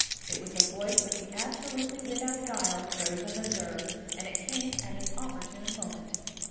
It was the voice of the absolutely without guile Thirza Meserve, and it came at an opportune moment.